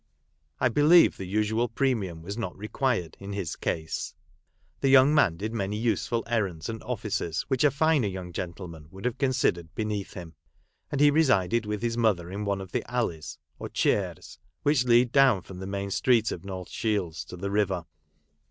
I believe the usual premium was not required in his case ; the young man did many useful errands and offices which a finer young gentleman would have considered beneath him ; and he resided with his mother in one of the alleys (or " chares,") which lead down from the main street of North Shields to the river.